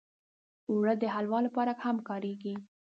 اوړه د حلوا لپاره هم کارېږي